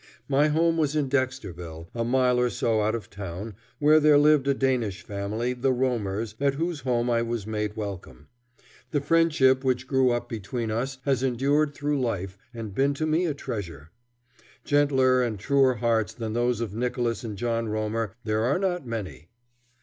My home was in Dexterville, a mile or so out of town, where there lived a Danish family, the Romers, at whose home I was made welcome. The friendship which grew up between us has endured through life and been to me a treasure. Gentler and truer hearts than those of Nicholas and John Romer there are not many.